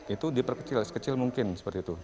itu diperkecil sekecil mungkin seperti itu